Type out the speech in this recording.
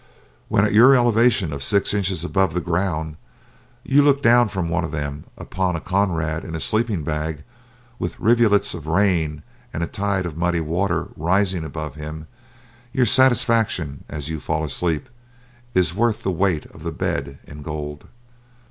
When at your elevation of six inches above the ground you look down from one of them upon a comrade in a sleeping bag with rivulets of rain and a tide of muddy water rising above him, your satisfaction, as you fall asleep, is worth the weight of the bed in gold.